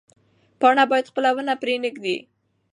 پاڼه باید خپله ونه پرې نه ږدي.